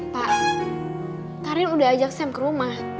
pak karin udah ajak sam ke rumah